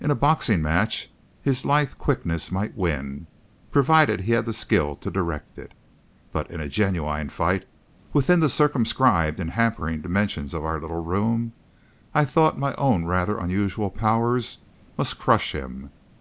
In a boxing match his lithe quickness might win provided he had the skill to direct it. But in a genuine fight, within the circumscribed and hampering dimensions of our little room, I thought my own rather unusual power must crush him.